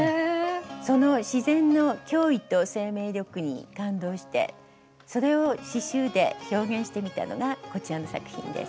その自然の驚異と生命力に感動してそれを刺しゅうで表現してみたのがこちらの作品です。